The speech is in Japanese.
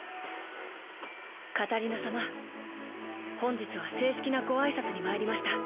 カタリナ様本日は正式なご挨拶に参りました。